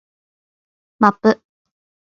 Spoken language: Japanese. マップ